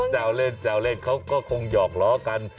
แซวเล่นแซวเล่นเขาก็คงหยอกล้อกัน